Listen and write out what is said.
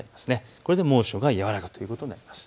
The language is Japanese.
これで猛暑は和らぐということになります。